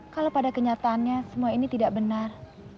kalau pada kenyataannya semua ini tidak benar